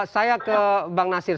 saya ke bang nasir